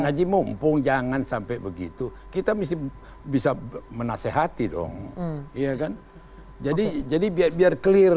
haji mumpung jangan sampai begitu kita mesti bisa menasehati dong iya kan jadi jadi biar biar clear